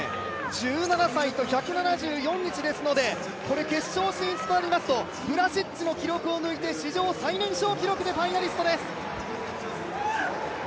１７歳と１７４日ですので、決勝進出となりますとムラシッチの記録を抜いて史上最年少で世界記録です。